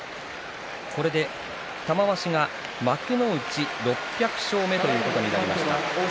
これで玉鷲が幕内６００勝目ということになりました。